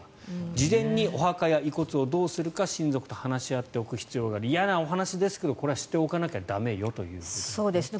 事前にお墓や遺骨をどうするか親族と話し合っておく必要がある嫌なお話ですがこれは知っておかなきゃ駄目よと。